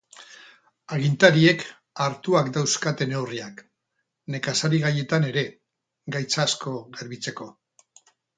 Agintariek hartuak dauzkate neurriak, nekazari-gaietan ere, gaitz asko garbitzeko.